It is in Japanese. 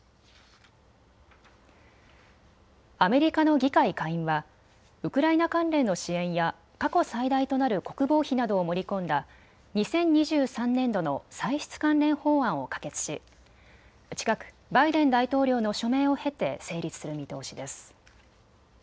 アメリカの議会下院はウクライナ関連の支援や過去最大となる国防費などを盛り込んだ２０２３年度の歳出関連法案を可決し近くバイデン大統領の署名を経て成立する見通しです。